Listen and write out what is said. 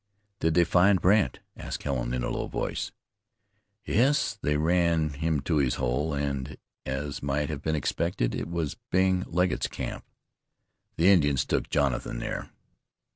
"Did they find Brandt?" asked Helen in a low voice. "Yes, they ran him to his hole, and, as might have been expected, it was Bing Legget's camp. The Indians took Jonathan there."